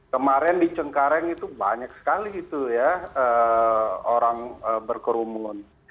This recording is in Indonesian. kemarin di cengkareng itu banyak sekali orang berkerumun